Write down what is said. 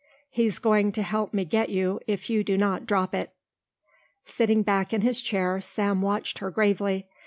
He's going to help me get you if you do not drop it." Sitting back in his chair Sam watched her gravely.